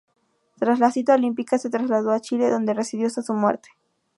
Tras la cita olímpica se trasladó a Chile, donde residió hasta su muerte.